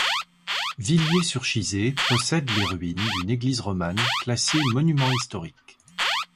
Villiers-sur-Chizé possède les ruines d'une église romane classée monument historique.